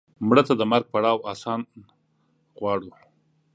مړه ته د مرګ پړاو آسان غواړو